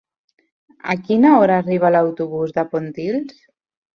A quina hora arriba l'autobús de Pontils?